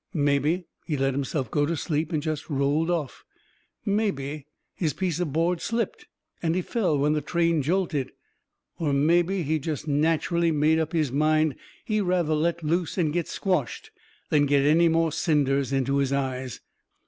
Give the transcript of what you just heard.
Mebby he let himself go to sleep and jest rolled off. Mebby his piece of board slipped and he fell when the train jolted. Or mebby he jest natcherally made up his mind he rather let loose and get squashed then get any more cinders into his eyes.